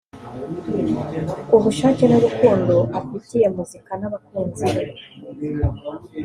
ubushake n’urukundo afitiye muzika n’abakunzi be